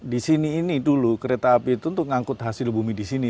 di sini ini dulu kereta api itu untuk ngangkut hasil bumi di sini